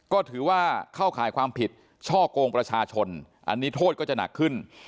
ก็ถือว่าเข้าข่ายความผิดช่อกงประชาชนอันนี้โทษก็จะหนักขึ้น